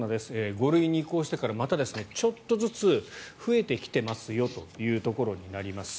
５類に移行してからまたちょっとずつ増えてきてますよというところになります。